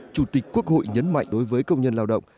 chủ tịch quốc hội nhấn mạnh đối với công nhân lao động